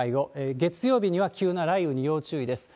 月曜日には急な雷雨に要注意です。